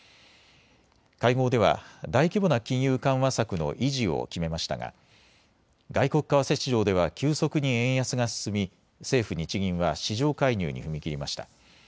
会合では大規模な金融緩和策の維持を決めましたが外国為替市場では急速に円安が進み、政府・日銀は市場介入に踏み切りました。